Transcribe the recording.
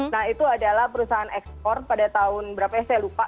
nah itu adalah perusahaan ekspor pada tahun berapa ya saya lupa